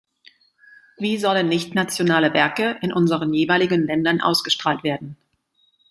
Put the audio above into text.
Wie sollen nichtnationale Werke in unseren jeweiligen Ländern ausgestrahlt werden?